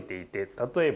例えば。